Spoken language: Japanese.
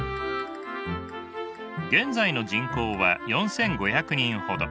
現在の人口は４，５００人ほど。